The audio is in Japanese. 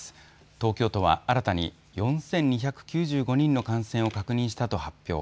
東京都は新たに４２９５人の感染を確認したと発表。